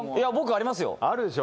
あるでしょ。